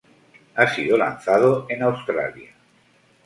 Ha sido lanzado en Australia.